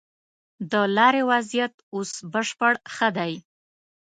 د لارې وضيعت اوس بشپړ ښه دی.